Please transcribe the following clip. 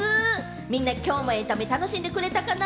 みんなきょうのエンタメ楽しんでくれたかな？